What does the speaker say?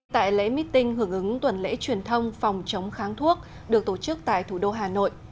tại lễ meeting hưởng ứng tuần lễ truyền thông phòng chống kháng thuốc được tổ chức tại thủ đô hà nội